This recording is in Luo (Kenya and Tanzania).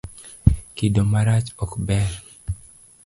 Kido marach ok ber.